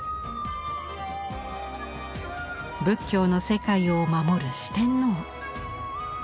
仏教の世界を守る四天王。